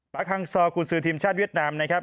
ปาร์คฮังซอร์กุศือทีมชาติเวียดนามนะครับ